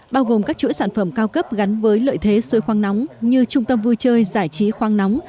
bao gồm các chuỗi sản phẩm cao cấp gắn với lợi thế xuôi khoáng nóng như trung tâm vui chơi giải trí khoáng nóng